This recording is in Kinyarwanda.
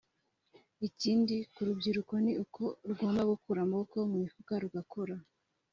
Ikindi ku rubyiruko ni uko rugomba gukura amaboko mu mifuka rugakora